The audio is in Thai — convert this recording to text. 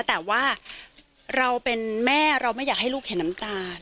แต่ว่าเราเป็นแม่เราไม่อยากให้ลูกเห็นน้ำตา